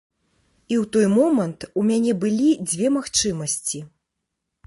І ў той момант у мяне былі дзве магчымасці.